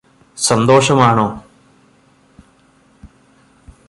സന്തോഷമാണോ